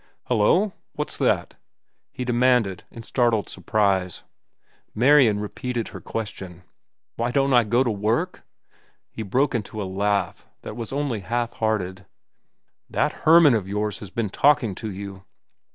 "Hello, what's that?" he demanded in startled surprise. Marian repeated her question. "Why don't I go to work?" He broke into a laugh that was only half hearted. "That Hermann of yours has been talking to you."